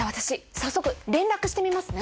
早速連絡してみますね。